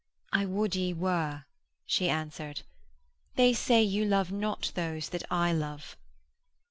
'I would ye were,' she answered. 'They say you love not those that I love.'